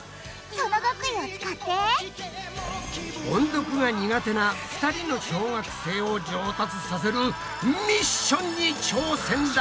その極意を使って音読が苦手な２人の小学生を上達させるミッションに挑戦だ！